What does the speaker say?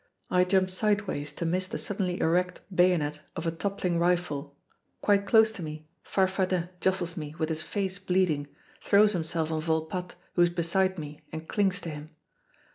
I jump sideways to miss the suddenly erect bayonet of a toppling rifle. Quite close to me, Farfadet jostles me with his face bleeding, throws himself on Volpatte who is beside me and clings to him.